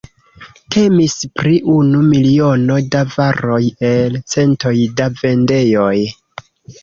Temis pri unu miliono da varoj el centoj da vendejoj.